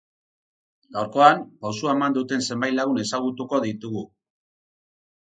Gaurkoan, pausua eman duten zenbait lagun ezagutuko ditugu.